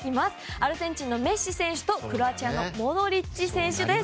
アルゼンチンのメッシ選手とクロアチアのモドリッチ選手。